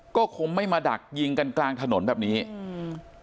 ก็คงไม่มาดักยิงกันกลางถนนแบบนี้อืม